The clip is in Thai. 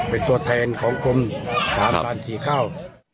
เป็นตัวแทนของกรมสาบานสี่ข้าว